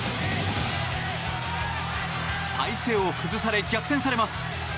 体勢を崩され逆転されます。